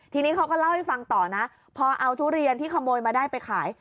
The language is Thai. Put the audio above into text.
ทีนี้เขาก็เล่าให้ฟังต่อนะพอเอาทุเรียนที่ขโมยมาได้ไปขาย